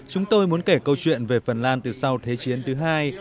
chúng tôi muốn kể câu chuyện về phần lan từ sau thế chiến thứ hai